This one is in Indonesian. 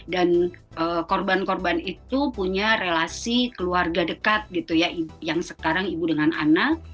dan korban korban itu punya relasi keluarga dekat gitu ya yang sekarang ibu dengan anak